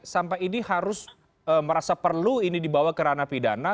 sampai ini harus merasa perlu ini dibawa ke ranah pidana